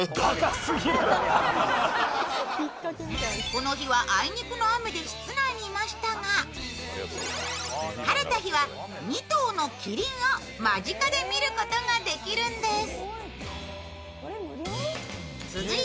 この日はあいにくの雨で室内にいましたが晴れた日は、２頭のキリンを間近で見ることができるんです。